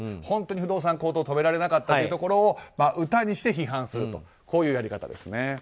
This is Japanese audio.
本当に不動産高騰を止められなかったというところを歌にして批判するというやり方ですね。